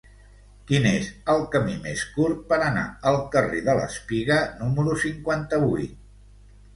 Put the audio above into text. Quin és el camí més curt per anar al carrer de l'Espiga número cinquanta-vuit?